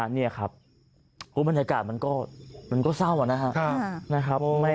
เอ็งเฮียครับโอ้บรรยากาศมันก็มันก็เศร้าอะนะฮะ